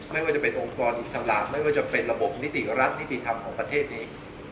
ไม่ว่าจะเป็นองค์กรอิสระไม่ว่าจะเป็นระบบนิติรัฐนิติธรรมของประเทศเอง